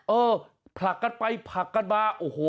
เออผลักกันไปผลักกันมาโอ้โห